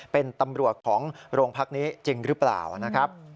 เป็นตำรวจของโรงพักนี้จริงหรือเปล่านะครับ